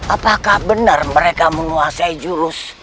apakah benar mereka menguasai jurus